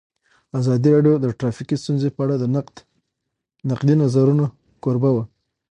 ازادي راډیو د ټرافیکي ستونزې په اړه د نقدي نظرونو کوربه وه.